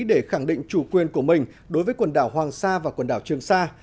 để khẳng định chủ quyền của mình đối với quần đảo hoàng sa và quần đảo trường sa